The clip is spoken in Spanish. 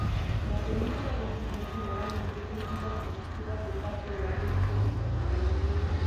La película recibió generalmente críticas positivas de parte de la crítica especializada.